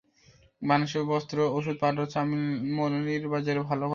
বাংলাদেশি বস্ত্র, ওষুধ, পাট এবং চা মালির বাজারে ভালো কদর পেয়েছে।